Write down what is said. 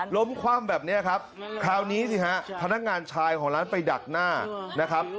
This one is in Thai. คว่ำแบบนี้ครับคราวนี้สิฮะพนักงานชายของร้านไปดักหน้านะครับ